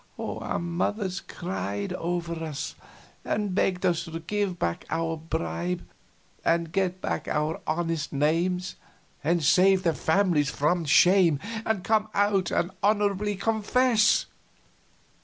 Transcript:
Our mothers cried over us and begged us to give back our bribe and get back our honest names and save our families from shame, and come out and honorably confess.